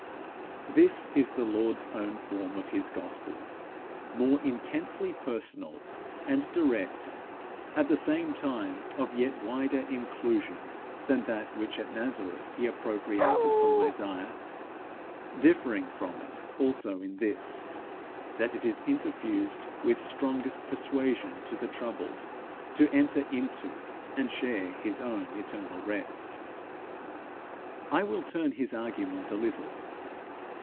This is the Lord's own form of his gospel, more intensely personal and direct, at the same time of yet wider inclusion, than that which, at Nazareth, he appropriated from Isaiah; differing from it also in this, that it is interfused with strongest persuasion to the troubled to enter into and share his own eternal rest. I will turn his argument a little.